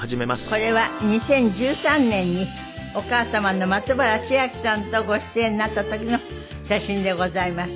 これは２０１３年にお母様の松原千明さんとご出演になった時の写真でございます。